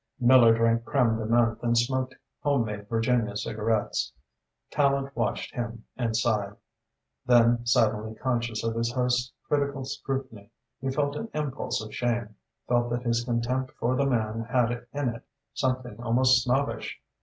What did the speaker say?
Miller drank crème de menthe and smoked homemade Virginia cigarettes. Tallente watched him and sighed. Then, suddenly conscious of his host's critical scrutiny, he felt an impulse of shame, felt that his contempt for the man had in it something almost snobbish.